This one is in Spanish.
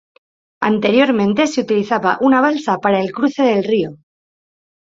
Anteriormente se utilizaba una balsa para el cruce del río.